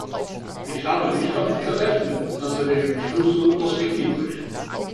Ich habe nicht damit gerechnet, dass er den Entschluss so übers Knie bricht.